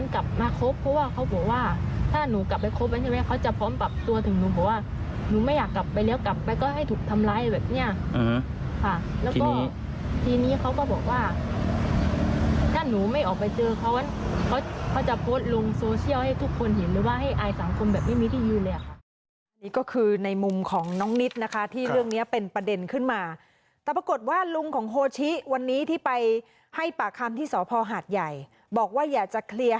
กลับมาคบเพราะว่าเขาบอกว่าถ้าหนูกลับไปคบกันใช่ไหมเขาจะพร้อมปรับตัวถึงหนูเพราะว่าหนูไม่อยากกลับไปแล้วกลับไปก็ให้ถูกทำร้ายแบบเนี้ยค่ะแล้วก็ทีนี้เขาก็บอกว่าถ้าหนูไม่ออกไปเจอเขาเขาจะโพสต์ลงโซเชียลให้ทุกคนเห็นหรือว่าให้อายสังคมแบบไม่มีที่อยู่เลยอ่ะค่ะนี่ก็คือในมุมของน้องนิดนะคะที่เร